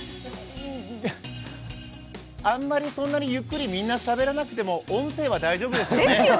あんまりそんなにゆっくりみんなしゃべらなくても音声は大丈夫ですよね？